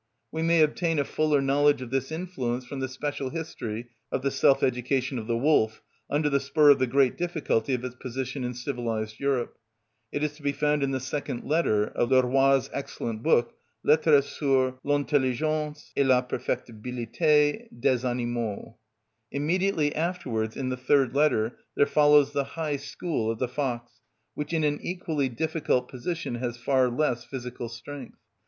We may obtain a fuller knowledge of this influence from the special history of the self education of the wolf, under the spur of the great difficulty of its position in civilised Europe; it is to be found in the second letter of Leroy's excellent book, "Lettres sur l'intelligence et la perfectibilité des animaux." Immediately afterwards, in the third letter, there follows the high school of the fox, which in an equally difficult position has far less physical strength.